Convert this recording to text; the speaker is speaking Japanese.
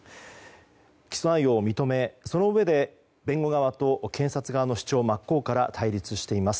起訴内容を認め、そのうえで弁護側と検察側の主張が真っ向から対立しています。